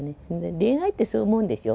恋愛ってそういうもんでしょ。